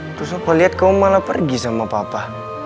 terus opa liat kamu malah pergi sama papa